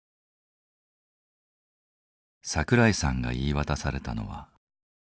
桜井さんが言い渡されたのは無期懲役。